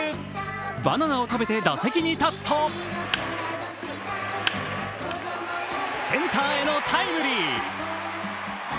バナナを食べて打席に立つとセンターへのタイムリー。